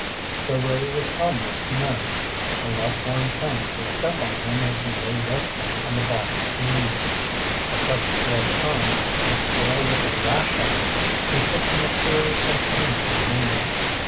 The ray was harmless to men unless one chanced to step on him as he lay resting on the bottom ooze. At such rare times, his tail would lash up, inflicting a serious and painful wound.